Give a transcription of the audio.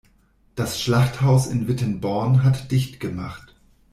Das Schlachthaus in Wittenborn hat dicht gemacht.